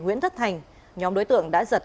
nguyễn thất thành nhóm đối tượng đã giật